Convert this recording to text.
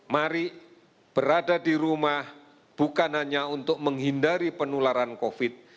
mari berada di rumah bukan hanya untuk menghindari penularan covid